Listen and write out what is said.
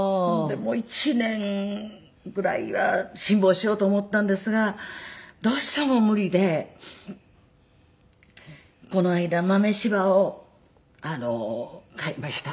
もう１年ぐらいは辛抱しようと思ったんですがどうしても無理でこの間豆柴を飼いました。